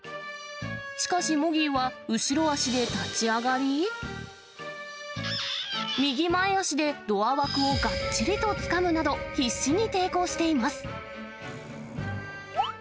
しかしモギーは、後ろ足で立ち上がり、右前足でドア枠をがっちりとつかむなど、必死に抵抗しています。